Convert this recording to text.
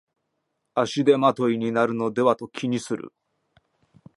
足手まといになるのではと気にする